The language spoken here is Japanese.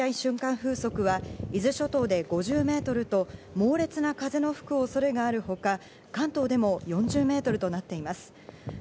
風速は伊豆諸島で５０メートルと猛烈な風が吹く恐れがあるほか、関東でも４０メートルとなっています。